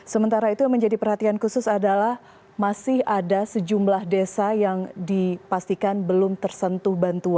sementara itu yang menjadi perhatian khusus adalah masih ada sejumlah desa yang dipastikan belum tersentuh bantuan